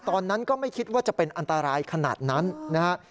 ตอนนั้นก็ไม่คิดว่าจะเป็นอันตรายขนาดนั้นนะฮะ